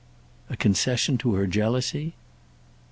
"A concession to her jealousy?"